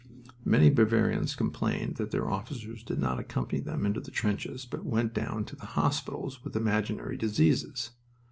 Many Bavarians complained that their officers did not accompany them into the trenches, but went down to the hospitals with imaginary diseases.